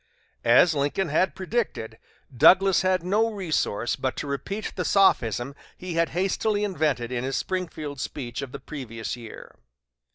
As Lincoln had predicted, Douglas had no resource but to repeat the sophism he had hastily invented in his Springfield speech of the previous year.